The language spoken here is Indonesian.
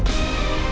saya sudah menang